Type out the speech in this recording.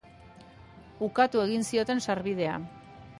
Ukatu egin zioten sarbidea.